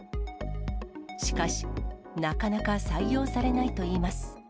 しかし、なかなか採用されないといいます。